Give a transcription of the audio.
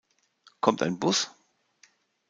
Kommt ein Bus?